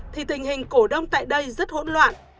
thì tình hình cổ đông tại đây rất hỗn loạn